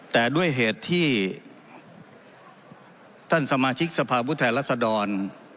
แต่ด้วยเหตุที่ท่านสมาชิกสภาพผู้แทนรัศดร